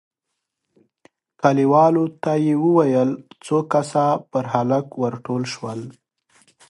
کليوالو ته يې وويل، څو کسه پر هلک ور ټول شول،